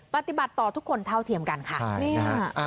ปฏิบัติต่อทุกคนเท่าเทียมกันค่ะ